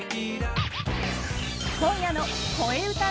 今夜の「こえうた」